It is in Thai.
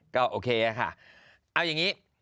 ก็โอเคค่ะเอาอย่างนี้